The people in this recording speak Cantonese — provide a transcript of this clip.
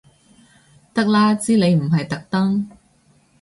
得啦知你唔係特登